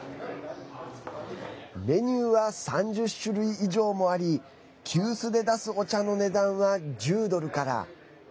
メニューは３０種類以上もあり急須で出すお茶の値段は１０ドルから。